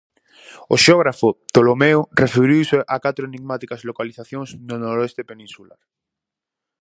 O xeógrafo Ptolomeo referiuse a catro enigmáticas localizacións no noroeste peninsular.